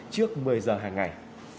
trước một mươi giờ hàng ngày